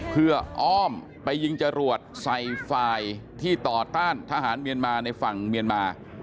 เพื่ออ้อมไปยิงจรวดใส่ฝ่ายที่ต่อต้านทหารเมียนมาในฝั่งเมียนมา